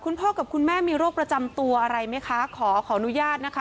พ่อกับคุณแม่มีโรคประจำตัวอะไรไหมคะขอขออนุญาตนะคะ